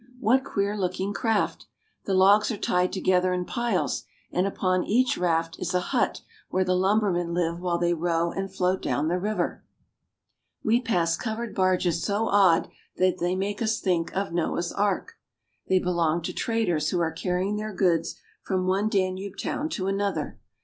What queer looking craft! The logs are tied to gether in piles, and upon each raft is a hut where the lumbermen live while they row and float down the river. We pass covered barges so odd that they make us think of Noah's Ark ; they belong to traders who are carrying their goods from one Danube town to another.